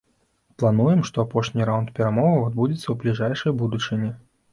Плануем, што апошні раўнд перамоваў адбудзецца ў бліжэйшай будучыні.